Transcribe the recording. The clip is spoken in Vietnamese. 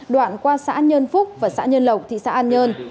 đoạn qua xã an nhơn phúc và xã nhơn lộng thị xã an nhơn